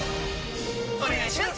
お願いします！！！